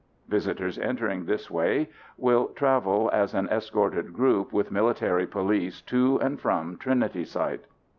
Visitors entering this way will travel as an escorted group with military police to and from Trinity Site.